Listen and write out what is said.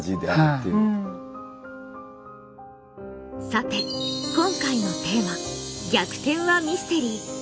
さて今回のテーマ「逆転はミステリー」。